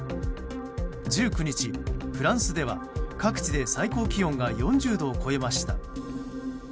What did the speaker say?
１９日、フランスでは各地で最高気温が４０度を超えました。